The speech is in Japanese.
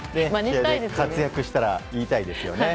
活躍したら言いたいですよね。